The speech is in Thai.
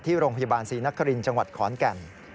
ที่โรงพยาบาลศรีนครินทร์จังหวัดขอนแก่น